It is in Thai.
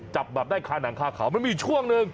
จับแบบได้คาหนังคาเขามันมีช่วงหนึ่ง